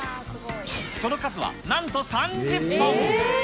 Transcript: その数はなんと３０本。